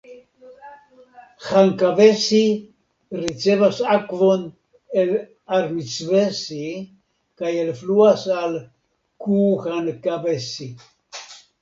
Hankavesi ricevas akvon el Armisvesi kaj elfluas al Kuuhankavesi.